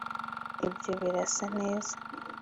Ibyo birasa neza